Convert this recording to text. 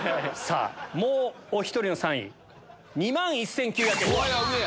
もうお１人の３位２万１９００円です。